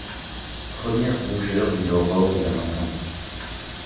Premières rougeurs d’une aurore ou d’un incendie